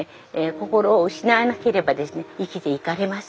心を失わなければですね生きていかれます。